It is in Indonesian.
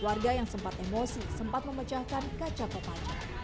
warga yang sempat emosi sempat memecahkan kaca komanya